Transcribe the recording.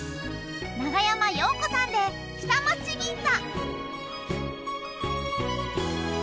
長山洋子さんで『下町銀座』。